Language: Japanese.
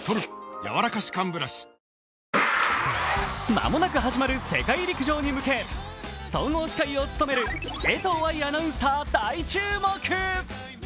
間もなく始まる世界陸上に向け総合司会を務める江藤愛アナウンサー大注目！